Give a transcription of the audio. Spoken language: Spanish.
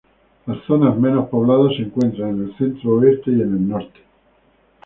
Las zonas menos pobladas se encuentran en el Centro-Oeste y en el Norte.